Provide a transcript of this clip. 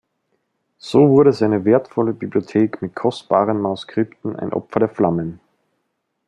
So wurde seine wertvolle Bibliothek mit kostbaren Manuskripten ein Opfer der Flammen.